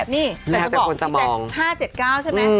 นี่แต่จะบอก๕๗๙ใช่ไหม